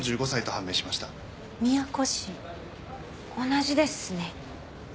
同じですね。